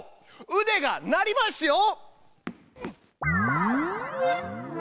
うでが鳴りますよ。